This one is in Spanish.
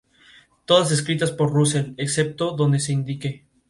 Todas escritas por Russell, excepto donde se indique.